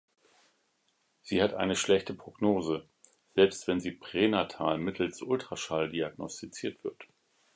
Sie hat eine schlechte Prognose, selbst wenn sie pränatal mittels Ultraschall diagnostiziert wird.